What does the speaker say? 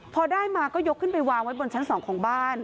พอได้มาก็ยกขึ้นไปวางไว้บนชั้น๒ของบ้าน